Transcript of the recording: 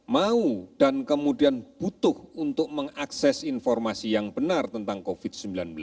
mau dan kemudian butuh untuk mengakses informasi yang benar tentang covid sembilan belas